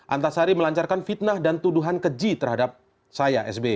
antarsari melancarkan fitnah dan tuduhan keji terhadap saya sbe